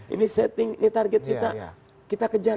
ini setting ini target kita kita kejar